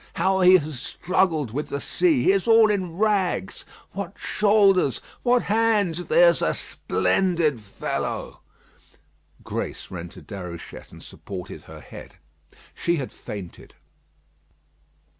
"How he has struggled with the sea. He is all in rags. What shoulders; what hands. There's a splendid fellow!" Grace ran to Déruchette and supported her head. She had fainted.